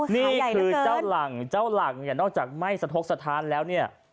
นี่คือเจ้าหลังเจ้าหลังเนี่ยนอกจากไม่สะทกสถานแล้วเนี่ย